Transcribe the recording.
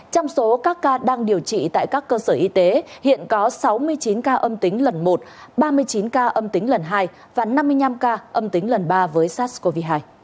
trong số các ca đang điều trị tại các cơ sở y tế hiện có sáu mươi chín ca âm tính lần một ba mươi chín ca âm tính lần hai và năm mươi năm ca âm tính lần ba với sars cov hai